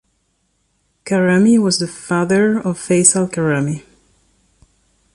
Karami was the father of Faisal Karami.